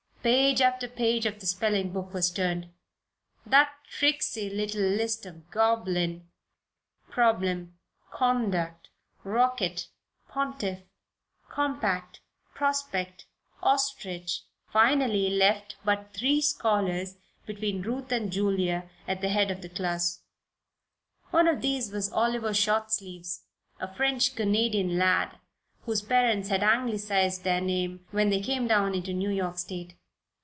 Page after page of the spelling book was turned. That tricksey little list of "goblin, problem, conduct, rocket, pontiff, compact, prospect, ostrich" finally left but three scholars between Ruth and Julia at the head of the class. One of these was Oliver Shortsleeves, a French Canadian lad whose parents had Anglicised their name when they came down into New York State.